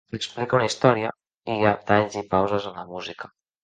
Explica una història, i hi ha talls i pauses en la música.